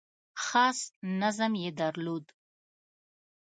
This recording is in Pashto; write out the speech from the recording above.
خاص نظم یې درلود .